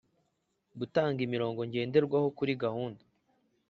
gutanga imirongo ngenderwaho kuri gahunda